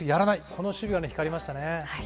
この守備は光りましたね。